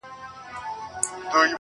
ټول اعمال یې له اسلام سره پیوند کړل٫